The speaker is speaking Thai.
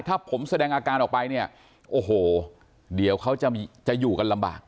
ถ้าผมแสดงอาการออกไปเนี่ยโอ้โหเดี๋ยวเขาจะอยู่กันลำบาก